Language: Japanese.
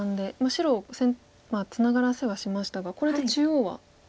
白をツナがらせはしましたがこれで中央は回れると。